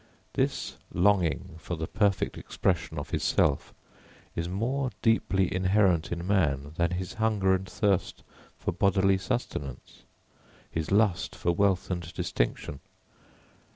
] This longing for the perfect expression of his self is more deeply inherent in man than his hunger and thirst for bodily sustenance, his lust for wealth and distinction.